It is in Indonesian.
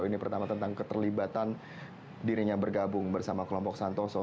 ini pertama tentang keterlibatan dirinya bergabung bersama kelompok santoso